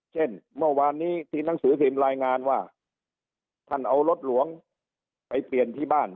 เช่นเมื่อวานนี้ที่หนังสือพิมพ์รายงานว่าท่านเอารถหลวงไปเปลี่ยนที่บ้าน